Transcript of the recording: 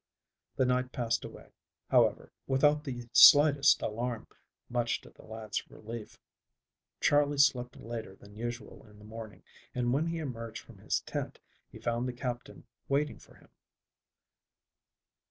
The night passed away, however, without the slightest alarm, much to the lad's relief. Charley slept later than usual in the morning, and when he emerged from his tent he found the Captain waiting for him.